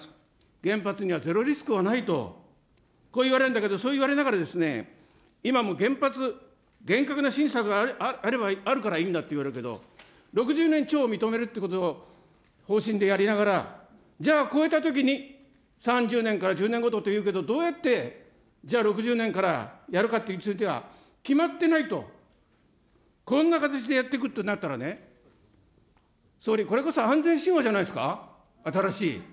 原発にはゼロリスクはないと、こう言われるんだけど、そう言われながら、今も原発、厳格な審査があるからいいんだっていわれるけど、６０年超を認めるということを方針でやりながら、じゃあ、超えたときに、３０年から１０年ごとというけれど、どうやってじゃあ、６０年からやるかについては、決まってないと、こんな形でやっていくってなったらね、総理、これこそ安全神話じゃないですか、新しい。